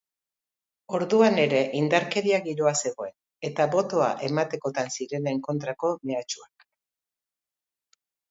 Orduan ere indarkeria giroa zegoen, eta botoa ematekotan zirenen kontrako mehatxuak.